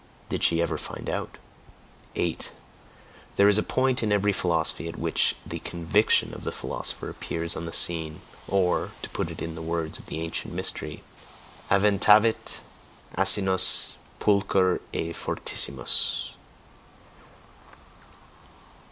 Did she ever find out? 8. There is a point in every philosophy at which the "conviction" of the philosopher appears on the scene; or, to put it in the words of an ancient mystery: Adventavit asinus, Pulcher et fortissimus.